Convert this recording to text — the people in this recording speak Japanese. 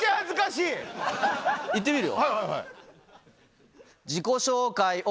いってみるよ。